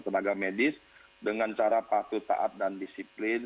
dan saudara saudara kita tenaga medis dengan cara patuh taat dan disiplin